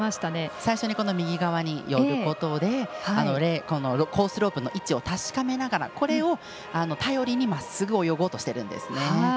最初に右側に寄ることでコースロープの位置を確かめながらこれを頼りにまっすぐ泳ごうとしているんです。